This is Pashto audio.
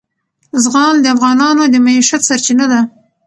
زغال د افغانانو د معیشت سرچینه ده.